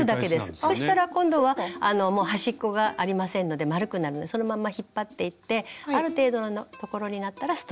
そしたら今度はもう端っこがありませんので丸くなるのでそのまんま引っ張っていってある程度のところになったらストップしましょう。